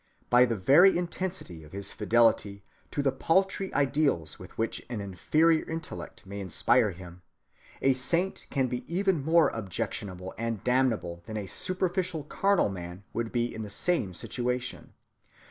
By the very intensity of his fidelity to the paltry ideals with which an inferior intellect may inspire him, a saint can be even more objectionable and damnable than a superficial carnal man would be in the same situation.